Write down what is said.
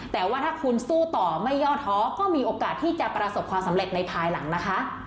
แต่ว่าถ้าคุณสู้ต่อไม่ย่อท้อก็มีโอกาสที่จะประสบความสำเร็จในภายหลังนะคะ